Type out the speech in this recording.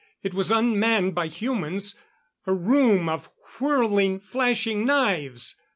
It was un manned by humans. A room of whirling, flashing knives!